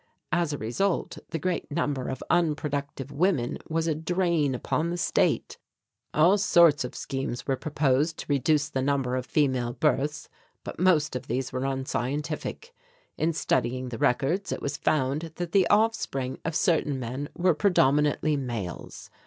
As a result the great number of unproductive women was a drain upon the state. All sorts of schemes were proposed to reduce the number of female births but most of these were unscientific. In studying the records it was found that the offspring of certain men were predominantly males.